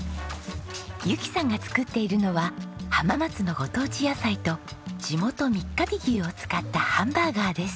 ゆきさんが作っているのは浜松のご当地野菜と地元みっかび牛を使ったハンバーガーです。